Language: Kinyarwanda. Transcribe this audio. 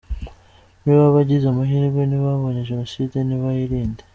Muri bo, abagize amahirwe ntibabonye Jenoside ; nibayirinde.